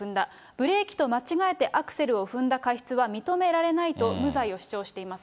ブレーキと間違えてアクセルを踏んだ過失は認められないと、無罪を主張しています。